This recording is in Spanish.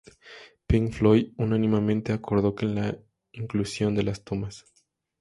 Pink Floyd unánimemente acordó en la inclusión de las tomas.